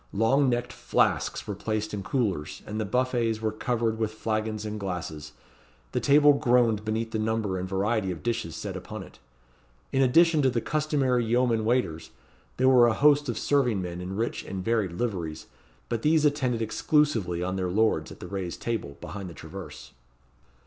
Long necked flasks were placed in coolers, and the buffets were covered with flagons and glasses. The table groaned beneath the number and variety of dishes set upon it. In addition to the customary yeomen waiters, there were a host of serving men in rich and varied liveries, but these attended exclusively on their lords at the raised table, behind the traverse.